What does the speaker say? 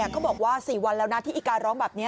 เขาบอกว่า๔วันแล้วนะที่อีการ้องแบบนี้